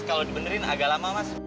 kalau dibenerin agak lama mas